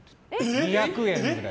２００円ぐらい。